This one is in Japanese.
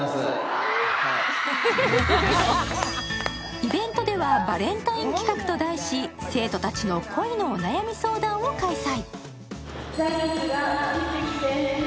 イベントではバレンタイン企画と題し、生徒たちの恋のお悩み相談を開催。